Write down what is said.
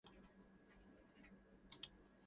Evidently the oldest is usually the first to leave hole.